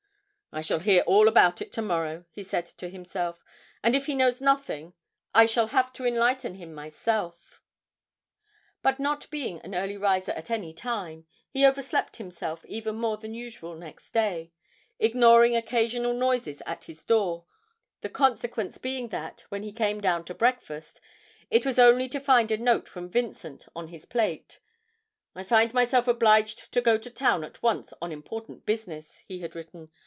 'I shall hear all about it to morrow,' he said to himself; 'and if he knows nothing I shall have to enlighten him myself!' But not being an early riser at any time, he overslept himself even more than usual next day, ignoring occasional noises at his door, the consequence being that, when he came down to breakfast, it was only to find a note from Vincent on his plate: 'I find myself obliged to go to town at once on important business,' he had written.